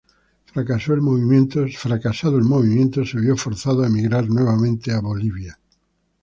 Fracasado el movimiento se vio forzado a emigrar nuevamente a Bolivia.